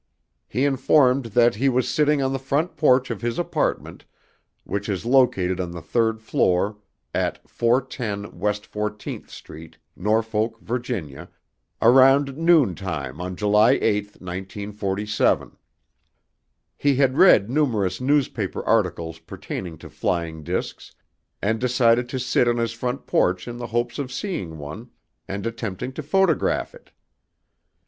He informed that he was sitting on the front porch of his apartment which is located on the third floor at 410 West 14th Street, Norfolk, Virginia, around noontime on July 8, 1947. He had read numerous newspaper articles pertaining to flying discs and decided to sit on his front porch in the hopes of seeing one and attempting to photograph it.